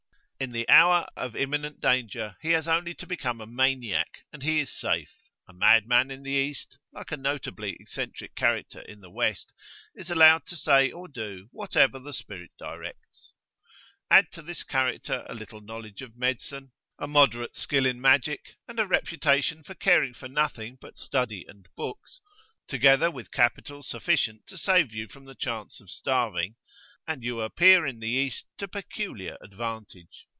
In the hour of imminent danger, he has only to become a maniac, and he is safe; a madman in the East, like a notably eccentric character in the West, is allowed to say or do whatever the spirit directs. Add to this character a little knowledge of medicine, a "moderate skill in magic, and a reputation for caring for nothing but study and books," together with capital sufficient to save you from the chance of starving, and you appear in the East to peculiar advantage.